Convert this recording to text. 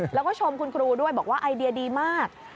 แล้วก็ชมคุณครูด้วยบอกว่าไอเดียดีมาก